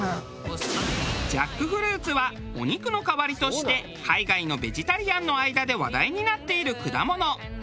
ジャックフルーツはお肉の代わりとして海外のベジタリアンの間で話題になっている果物。